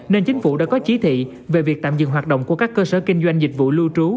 nên chính phủ đã có chỉ thị về việc tạm dừng hoạt động của các cơ sở kinh doanh dịch vụ lưu trú